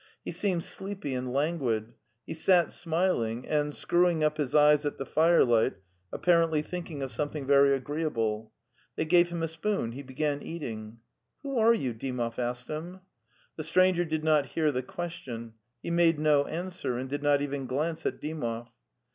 He seemed sleepy and languid; he sat smiling, and, screwing up his eyes at the firelight, apparently thinking of something very agreeable. 'They gave him a spoon; he began eating. "Who are you?"' Dymoy asked him. The stranger did not hear the question; he made no answer, and did not even glance at Dymov.